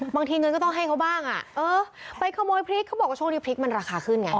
บางทีเงินก็ต้องให้เขาบ้างอ่ะเออไปขโมยพริกเขาบอกว่าช่วงนี้พริกมันราคาขึ้นไง